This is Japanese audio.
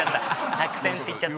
作戦って言っちゃった。